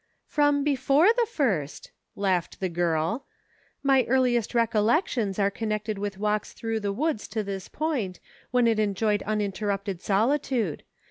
" From before the first," laughed the girl. "My earliest recollections are connected with walks through the woods to this point, when it enjoyed uninterrupted solitude.